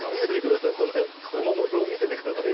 お守りも見せてください。